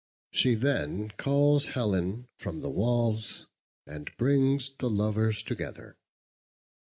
She then calls Helen from the walls, and brings the lovers together.